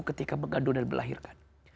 ketika mengandung dan melahirkan